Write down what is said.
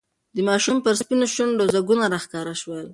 د ماشوم پر سپینو شونډو ځگونه راښکاره شول.